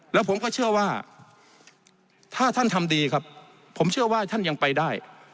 แล้วผมก็เชื่อว่าถ้าท่านทำดีครับผมเชื่อว่าท่านยังไปได้